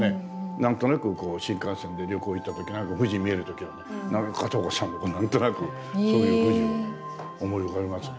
何となくこう新幹線で旅行行った時富士見える時はね片岡さんのを何となくそういう富士を思い浮かべますね。